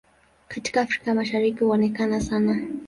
Katika Afrika ya Mashariki huonekana sana.